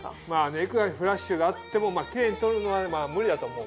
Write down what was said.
いくらフラッシュがあってもキレイに撮るのは無理だと思う。